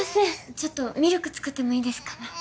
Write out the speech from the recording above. ちょっとミルク作ってもいいですか？